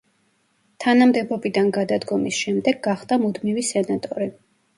თანამდებობიდან გადადგომის შემდეგ გახდა მუდმივი სენატორი.